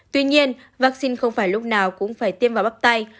tuy nhiên vaccine không phải lúc nào cũng phải tiêm vào bóc tay